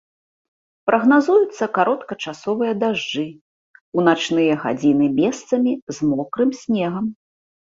Прагназуюцца кароткачасовыя дажджы, у начныя гадзіны месцамі з мокрым снегам.